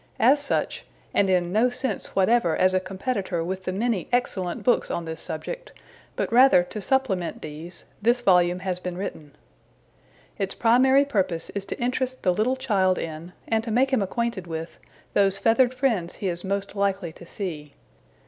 As such, and in no sense whatever as a competitor with the many excellent books on this subject, but rather to supplement these, this volume has been written. Its primary purpose is to interest the little child in, and to make him acquainted with, those feathered friends he is most likely to see.